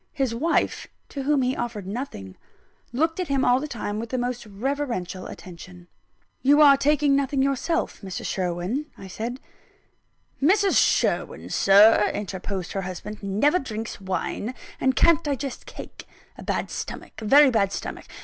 His wife (to whom he offered nothing) looked at him all the time with the most reverential attention. "You are taking nothing yourself, Mrs. Sherwin," I said. "Mrs. Sherwin, Sir," interposed her husband, "never drinks wine, and can't digest cake. A bad stomach a very bad stomach.